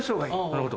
なるほど。